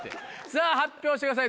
さぁ発表してください